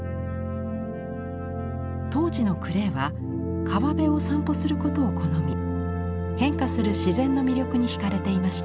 当時のクレーは川辺を散歩することを好み変化する自然の魅力にひかれていました。